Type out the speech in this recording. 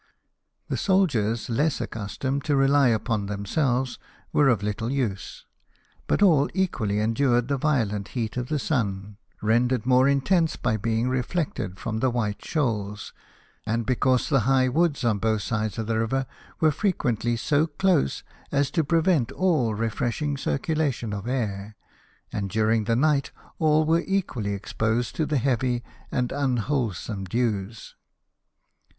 The soldiers, less accustomed to rely upon themselves, were of little use. But all equally endured the violent heat of the sun, rendered more intense by being re flected from the white shoals, and because the high woods on both sides of the river were frequently so close as to prevent all . refreshing circulation of air; and during the night all were equally exposed to the heavy and unwholesome dews.